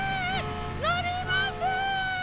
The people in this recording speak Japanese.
のります！